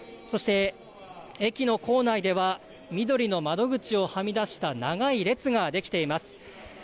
そして駅の構内ではみどりの窓口をはみ出した長い列ができています。